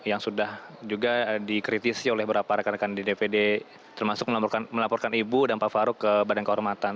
yang sudah juga dikritisi oleh beberapa rekan rekan di dpd termasuk melaporkan ibu dan pak faruk ke badan kehormatan